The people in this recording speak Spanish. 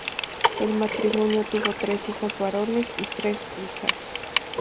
El matrimonio tuvo tres hijos varones y tres hijas.